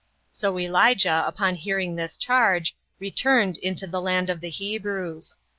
So Elijah, upon hearing this charge, returned into the land of the Hebrews.